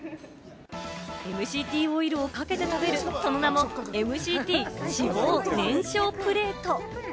ＭＣＴオイルをかけて食べる、その名もＭＣＴ脂肪燃焼プレート。